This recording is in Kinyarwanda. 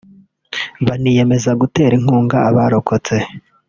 baniyemeza gutera inkunga abarokotse